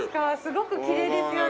すごくきれいですよね。